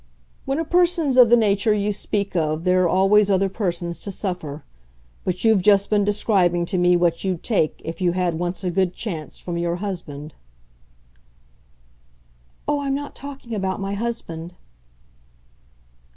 "When a person's of the nature you speak of there are always other persons to suffer. But you've just been describing to me what you'd take, if you had once a good chance, from your husband." "Oh, I'm not talking about my husband!"